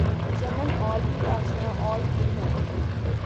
چمن اور بھی آشیاں اور بھی ہیں